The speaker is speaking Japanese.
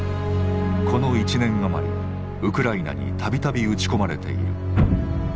この１年余りウクライナに度々撃ち込まれている。